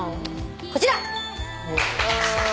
こちら！